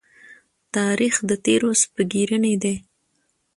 تاریخ د تېرو سپږېرنی دی.